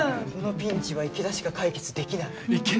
このピンチは池田しか解決できない。